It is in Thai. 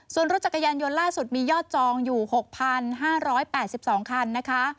ส่วนรถจักรยานยนต์ล่าสุดมียอดจองอยู่๖๕๘๒คันนะคะ